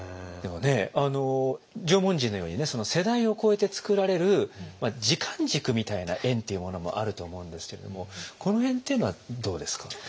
でもね縄文人のようにね世代を超えて作られるまあ時間軸みたいな「円」っていうものもあると思うんですけれどもこの辺っていうのはどうですか？